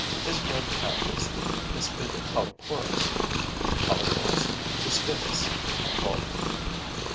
His grub tackles the hispid polyporus (Polyporus hispidus, BULL.)